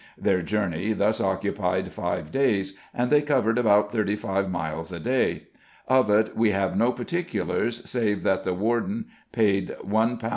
Their journey thus occupied five days and they covered about thirty five miles a day; of it we have no particulars, save that the warden paid £1. 3s.